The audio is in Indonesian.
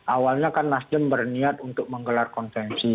awalnya kan nasdem berniat untuk menggelar konvensi